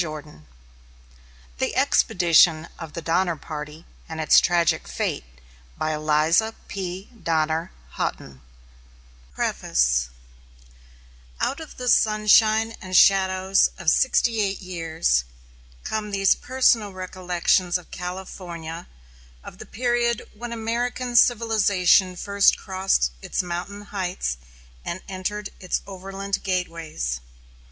HOUGHTON] THE EXPEDITION OF THE DONNER PARTY AND ITS TRAGIC FATE BY ELIZA P. DONNER HOUGHTON [Illustration: Eliza P. Donner Houghton] PREFACE Out of the sunshine and shadows of sixty eight years come these personal recollections of California of the period when American civilization first crossed its mountain heights and entered its overland gateways.